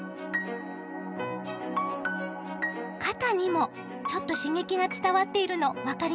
肩にもちょっと刺激が伝わっているの分かりますか？